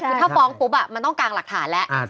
คือถ้าฟ้องปุ๊บมันต้องกางหลักฐานแล้ว